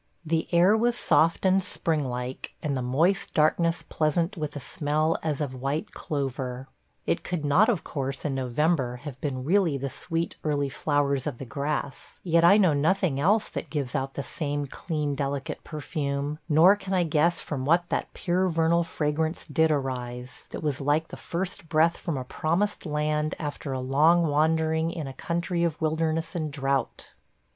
... The air was soft and spring like and the moist darkness pleasant with a smell as of white clover. It could not, of course, in November, have been really the sweet early flowers of the grass, yet I know nothing else that gives out the same clean, delicate perfume; nor can I guess from what that pure vernal fragrance did arise, that was like the first breath from a promised land after long wandering in a country of wilderness and drought.